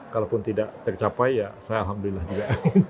kalaupun tidak tercapai ya saya alhamdulillah juga